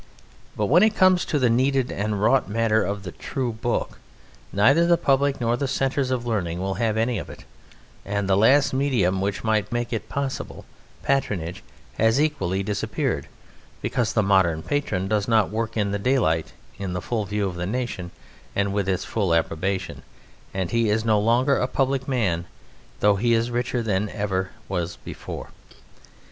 But when it comes to the kneaded and wrought matter of the true Book, neither the public nor the centres of learning will have any of it, and the last medium which might make it possible, patronage, has equally disappeared, because the modern patron does not work in the daylight in the full view of the nation and with its full approbation, and he is no longer a public man (though he is richer than ever he was before).